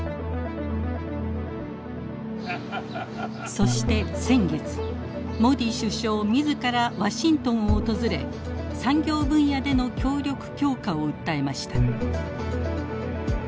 そして先月モディ首相自らワシントンを訪れ産業分野での協力強化を訴えました。